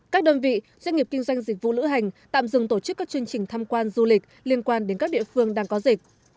các đơn vị doanh nghiệp kinh doanh dịch vụ lữ hành tạm dừng tổ chức các chương trình tham quan du lịch liên quan đến các địa phương đang có dịch